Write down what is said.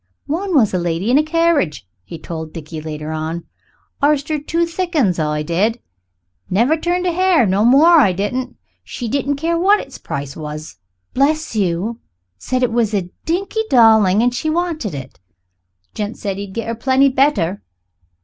"One was a lady in a carriage," he told Dickie later on. "Arst 'er two thick 'uns, I did. Never turned a hair, no more I didn't. She didn't care what its price was, bless you. Said it was a dinky darling and she wanted it. Gent said he'd get her plenty better.